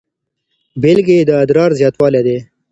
بیلګې یې د ادرار زیاتوالی دی.